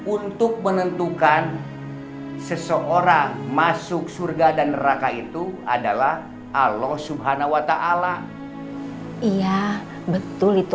untuk menentukan seseorang masuk surga dan neraka itu adalah allah swt iya betul itu